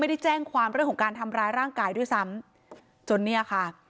ได้แจ้งความเรื่องของการทำร้ายร่างกายด้วยซ้ำจนเนี่ยค่ะ